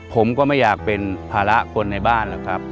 ผมก็ไม่อยากเป็นภาระคนในบ้านหรอกครับ